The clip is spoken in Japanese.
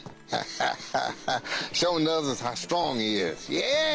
イエーイ！